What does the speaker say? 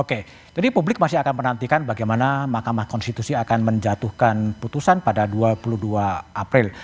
oke jadi publik masih akan menantikan bagaimana mahkamah konstitusi akan menjatuhkan putusan pada dua puluh dua april